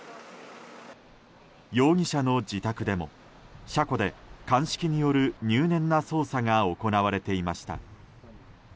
容疑者の自宅でも車庫で鑑識による入念な捜査が行われていました。